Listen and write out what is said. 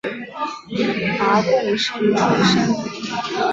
拔贡生出身。